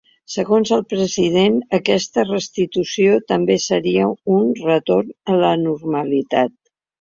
Segons el president, aquesta restitució també seria un ‘retorn a la normalitat’.